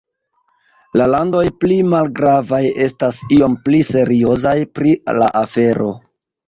La landoj pli malgravaj estas iom pli seriozaj pri la afero.